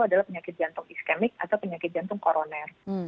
adalah penyakit jantung iskemik atau penyakit jantung koroner